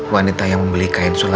dan bapak jadi kantor